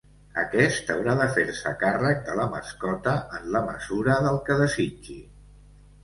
Aquest haurà de fer-se càrrec de la mascota en la mesura del que desitgi.